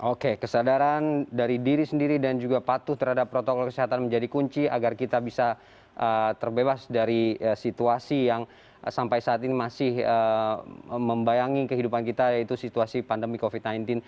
oke kesadaran dari diri sendiri dan juga patuh terhadap protokol kesehatan menjadi kunci agar kita bisa terbebas dari situasi yang sampai saat ini masih membayangi kehidupan kita yaitu situasi pandemi covid sembilan belas